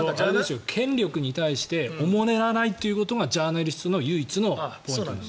権力に対しておもねらないということがジャーナリストの唯一のポイントです。